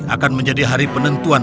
akan menjadi hari penentuan